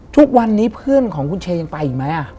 ทุกวันนี้เพื่อนของคุณเชเขยังไปอีกมั้ยอ่ะ